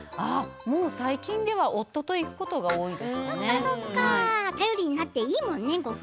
最近では夫と行くことが多いですね。